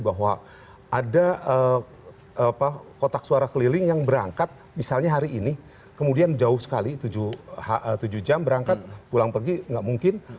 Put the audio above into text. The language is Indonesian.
bahwa ada kotak suara keliling yang berangkat misalnya hari ini kemudian jauh sekali tujuh jam berangkat pulang pergi nggak mungkin